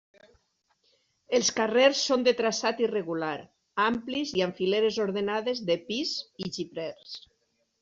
Els carrers són de traçat irregular, amplis i amb fileres ordenades de pis i xiprers.